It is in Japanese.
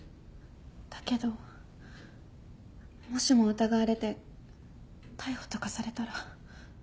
だけどもしも疑われて逮捕とかされたら。